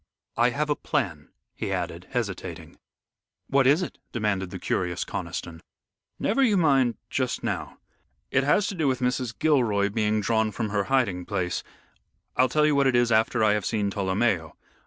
I have a plan," he added, hesitating. "What is it?" demanded the curious Conniston. "Never you mind just now. It has to do with Mrs. Gilroy being drawn from her hiding place. I'll tell you what it is after I have seen Tolomeo.